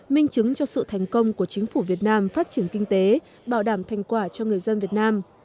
minh chứng cho sự thành công của chính phủ việt nam phát triển kinh tế bảo đảm thành quả cho người dân việt nam